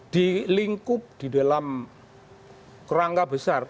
dilingkup di dalam kerangka besar